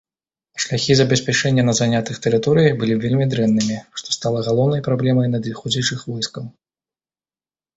Шляхі забеспячэння на занятых тэрыторыях былі вельмі дрэннымі, што стала галоўнай праблемай надыходзячых войскаў.